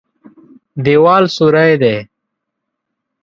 دېوال سوری دی.